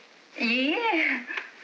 いいえ。